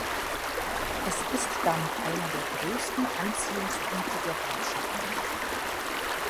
Es ist damit einer der größten Anziehungspunkte der Grafschaft.